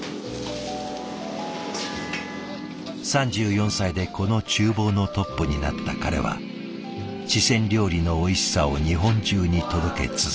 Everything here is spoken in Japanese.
３４歳でこのちゅう房のトップになった彼は四川料理のおいしさを日本中に届け続けた。